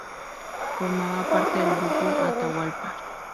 Formaba parte del grupo Atahualpa.